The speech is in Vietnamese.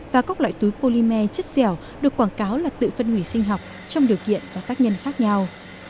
và các loại túi polymer chất dẻo được quảng cáo là tự phân hủy sinh học trong điều kiện và tác nhân khác nhau